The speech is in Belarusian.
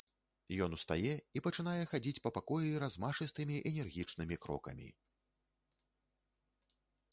Ён устае і пачынае хадзіць па пакоі размашыстымі энергічнымі крокамі.